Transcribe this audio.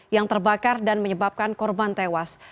yang terbakar dan menyebabkan korban tewas